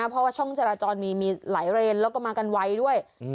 เพราะว่าช่องจราจรมีหลายเลนแล้วก็มากันไวด้วย